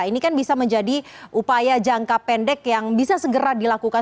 ini kan bisa menjadi upaya jangka pendek yang bisa segera dilakukan